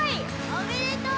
おめでとう。